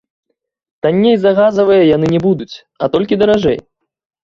Танней за газавыя яны не будуць, а толькі даражэй.